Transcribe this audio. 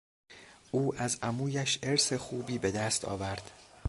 او از عمویش ارث خوبی بهدست آورد.